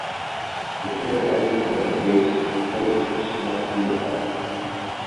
The inner edges of the base posts must be apart.